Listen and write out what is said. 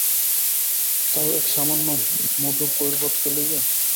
তাও এই এক সামান্য মধুকৈবর্তকে লইয়া।